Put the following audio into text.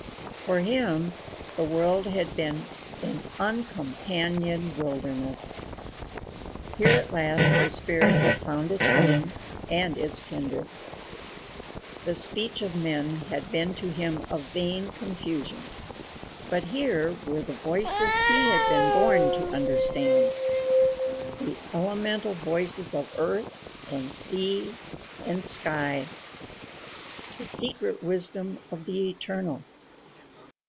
For him the world had been an uncompanioned wilderness. Here at last his spirit had found its home and its kindred. The speech of men had been to him a vain confusion, but here were the voices he had been born to understand, the elemental voices of earth and sea and sky, the secret wisdom of the eternal.